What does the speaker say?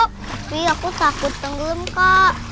tapi aku sakit tenggelam kak